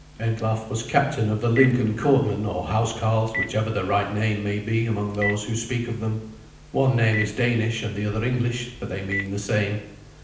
Eglaf was captain of the Lincoln courtmen or housecarls, whichever the right name may be among those who speak of them. One name is Danish and the other English, but they mean the same.